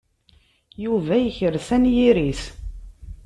Yuba yekres anyir-is.